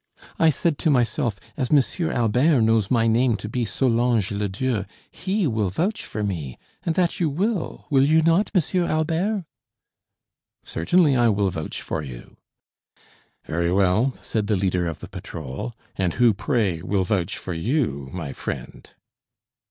I said to myself, as M. Albert knows my name to be Solange Ledieu, he will vouch for me; and that you will, will you not, M. Albert?" "Certainly, I will vouch for you." "Very well," said the leader of the patrol; "and who, pray, will vouch for you, my friend?"